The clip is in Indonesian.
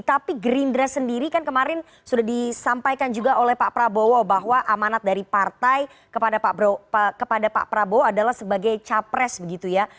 tapi gerindra sendiri kan kemarin sudah disampaikan juga oleh pak prabowo bahwa amanat dari partai kepada pak prabowo adalah sebagai capres begitu ya